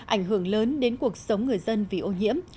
ảnh hưởng lớn đến cuộc sống người dân vì ô nhiễm